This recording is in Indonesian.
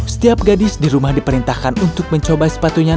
setiap gadis di rumah diperintahkan untuk mencari pangeran